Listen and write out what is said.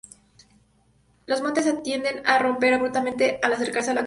Los montes tienden a romper abruptamente al acercarse a la costa.